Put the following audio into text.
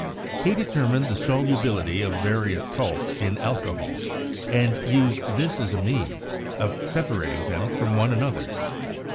He deter mined the solubility of various salts in alcohol, and used this as a means of separating them from one another.